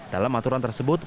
dalam aturan tersebut